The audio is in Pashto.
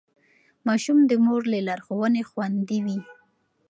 ماشوم د مور له لارښوونې خوندي وي.